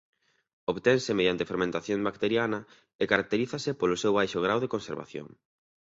Obtense mediante fermentación bacteriana e caracterízase polo seu baixo grao de conservación.